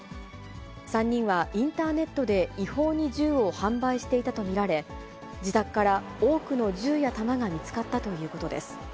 ３人はインターネットで違法に銃を販売していたと見られ、自宅から多くの銃や弾が見つかったということです。